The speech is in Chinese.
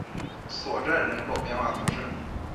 索镇人口变化图示